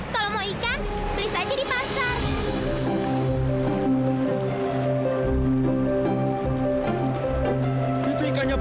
bisa itu bintang terima di penjara ini ya